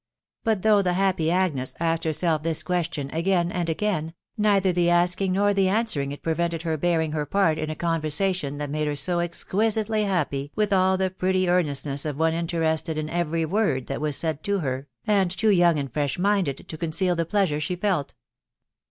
But though the happy Agnes asked herself this question again and again, neither the asking nor the answering it prevented her bearing her part in a con versation that made her so exquisitely happy with all the pretty earnestness of one interested in every word that was said to her, and too "young and fresh minded to conceal the pleasure she felt.